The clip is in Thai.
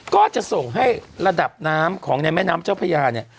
ก็จะส่งให้ระดับน้ำของในแม่น้ำเจ้าพญาเนี่ย